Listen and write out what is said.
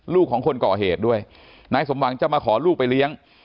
ลูกของคนก่อเหตุด้วยนายสมหวังจะมาขอลูกไปเลี้ยง